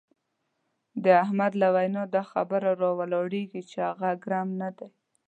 د احمد له وینا دا خبره را ولاړېږي چې هغه ګرم نه دی.